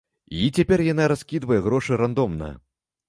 І цяпер яна раскідвае грошы рандомна.